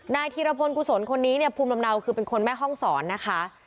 ธีรพลกุศลคนนี้เนี่ยภูมิลำเนาคือเป็นคนแม่ห้องศรนะคะ